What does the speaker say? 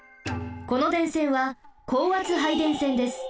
この電線は高圧配電線です。